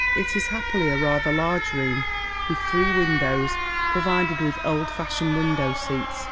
It is happily a rather large room, \w\\.h. three windows, provided with old fashioned window seats.